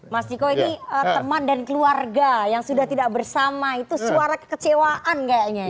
mas ciko ini teman dan keluarga yang sudah tidak bersama itu suara kekecewaan kayaknya ya